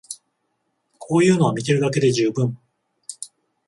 こういうのは見てるだけで充分